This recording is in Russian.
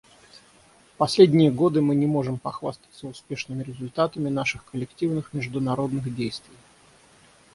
В последние годы мы не можем похвастаться успешными результатами наших коллективных международных действий.